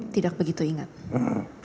tidak begitu ingat ya